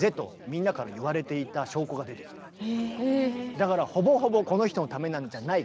だからほぼほぼこの人のためなんじゃないかと。